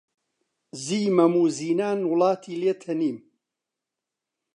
زیی مەم و زینان وڵاتی لێ تەنیم